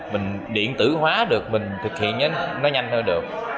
mình điện tử hóa được mình thực hiện nó nhanh hơn được